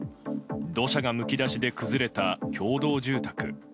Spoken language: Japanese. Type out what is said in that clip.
土砂がむき出しで崩れた共同住宅。